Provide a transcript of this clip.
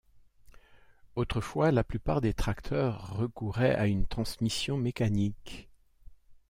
Autrefois, la plupart des tracteurs recouraient à une transmission mécanique.